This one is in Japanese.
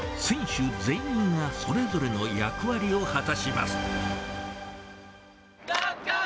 選手全員がそれぞれの役割を果たします。